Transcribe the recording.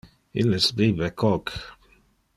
Illes bibe coke.